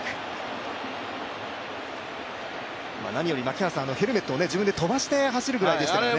何よりヘルメットを自分で飛ばして走るぐらいでしたからね。